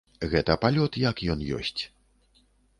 Гэта палёт як ён ёсць.